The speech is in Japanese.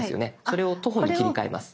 それを「徒歩」に切り替えます。